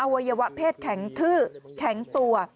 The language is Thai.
วัยวะเพศแข็งทื่อแข็งตัว